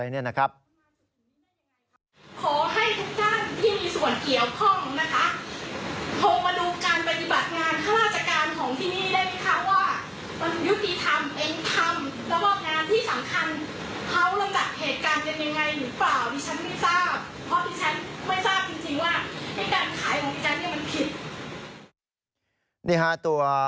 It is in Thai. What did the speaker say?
นี่ครับตัว